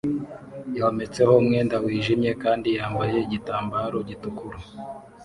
yometseho umwenda wijimye kandi yambaye igitambaro gitukura